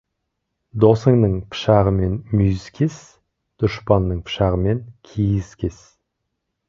Досыңның пышағымен мүйіз кес, дұшпаныңның пышағымен киіз кес.